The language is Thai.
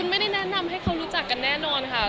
ไม่ได้แนะนำให้เขารู้จักกันแน่นอนค่ะ